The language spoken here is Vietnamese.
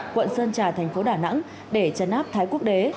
quận sơn trà thành phố đà nẵng để chấn áp thái quốc đế